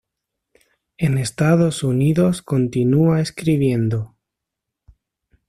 En Estados Unidos continúa escribiendo.